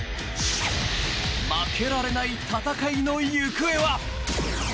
負けられない戦いの行方は。